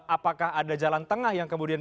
apakah ada jalan tengah yang kemudian